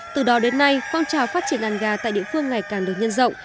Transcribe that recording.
từ đó đến nay phong trào phát triển đàn gà tại địa phương ngày càng được nhân rộng